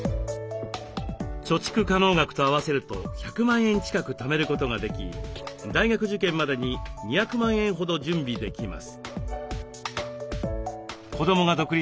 貯蓄可能額と合わせると１００万円近くためることができ大学受験までに２００万円ほど準備できます。